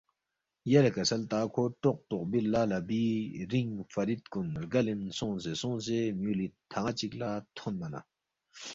یلے کسل تا کھو ٹوق ٹوقبی لہ لَبی رِنگ فرید کُن رگلین سونگسے سونگسے میُولی تھن٘ا چِک لہ تھونما نہ